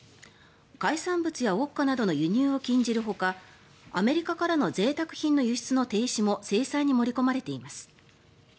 海産物やウォッカなどの輸入を禁じるほかアメリカからのぜいたく品の輸出の停止も制裁に盛り込まれています。